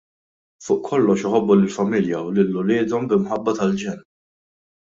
Fuq kollox iħobbu lill-familja u lil uliedhom b'imħabba tal-ġenn.